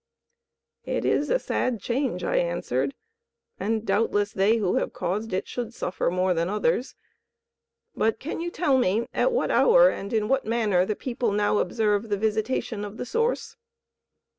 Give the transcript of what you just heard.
"It is a sad change," I answered, "and doubtless they who have caused it should suffer more than others. But can you tell me at what hour and in what manner the people now observe the visitation of the Source?"